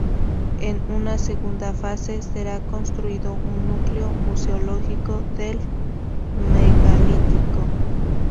En una segunda fase, será construido un núcleo Museológico del Megalítico.